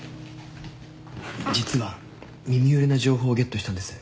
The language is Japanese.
実は耳寄りな情報ゲットしたんです。